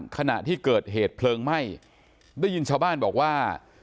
ขณะที่เกิดเหตุเพลิงไหม้ได้ยินชาวบ้านบอกว่า